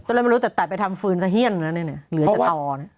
ก็เลยไม่รู้แต่ตัดไปทำฟืนซะเฮียนแล้วเนี่ยเหลือแต่ต่อเนี่ย